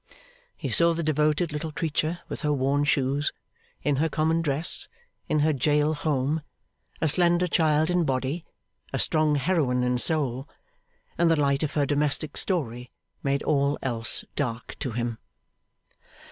He saw the devoted little creature with her worn shoes, in her common dress, in her jail home; a slender child in body, a strong heroine in soul; and the light of her domestic story made all else dark to him.